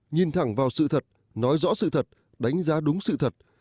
nhìn thẳng vào sự thật nói rõ sự thật đánh giá đúng sự thật